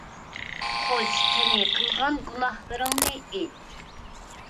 خوش، قېنى، قىلغان گۇناھلىرىڭنى ئېيت!